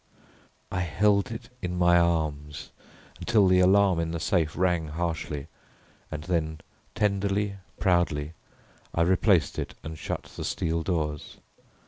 I held it in my arms until the alarm in the safe rang harshly, and then tenderly, proudly, I replaced it and shut the steel doors.